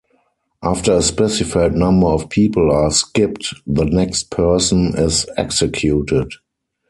After a specified number of people are skipped, the next person is executed.